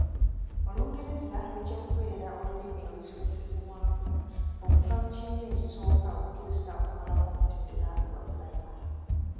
Olungereza lujja kubeera olulimi olusomesezebwamu okuva mu kibiina ekisooka okutuusa okumalako omutendera gwa pulayimale.